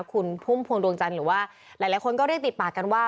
คุณพุ่มพวงดวงจันทร์หรือว่าหลายคนก็เรียกติดปากกันว่า